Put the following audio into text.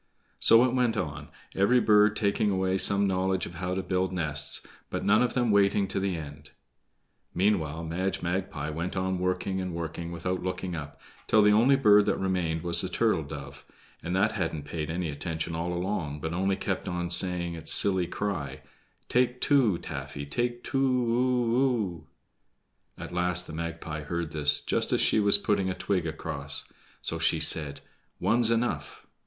So it went on, every bird taking away some knowledge of how to build nests, but none of them waiting to the end. Meanwhile Madge Magpie went on working and working without looking up till the only bird that remained was the turtle dove, and that hadn't paid any attention all along, but only kept on saying its silly cry: "Take two, Taffy, take two o o o." At last the Magpie heard this just as she was putting a twig across. So she said: "One's enough."